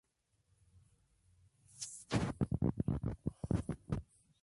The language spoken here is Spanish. La familia luego se trasladó a Tacuarembó por asuntos de negocios.